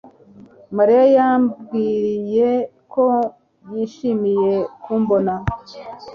mariya yambwiye ko yishimiye kumbona